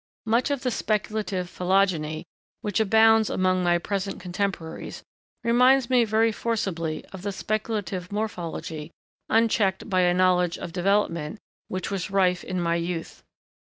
Much of the speculative 'phylogeny,' which abounds among my present contemporaries, reminds me very forcibly of the speculative morphology, unchecked by a knowledge of development, which was rife in my youth.